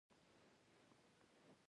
عواید د اقتصادي فعالیتونو پایله ده.